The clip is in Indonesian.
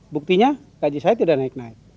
buktinya gaji saya tidak naik naik